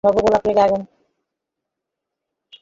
নবগোপাল রেগে আগুন।